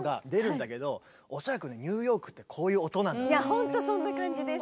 ほんとそんな感じです。